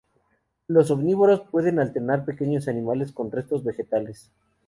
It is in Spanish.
Los omnívoros pueden alternar pequeños animales con restos vegetales.